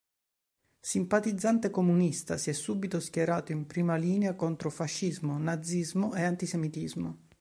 Simpatizzante comunista, si è subito schierato in prima linea contro fascismo, nazismo, e antisemitismo.